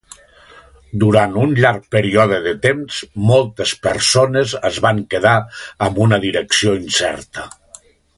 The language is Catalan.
Durant un llarg període de temps, moltes persones es van quedar amb una direcció incerta.